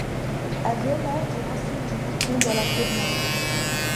Elle relève du massif du Piton de la Fournaise.